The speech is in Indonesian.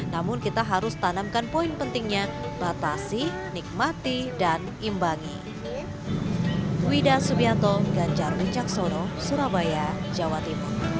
namun kita harus tanamkan poin pentingnya batasi nikmati dan imbangi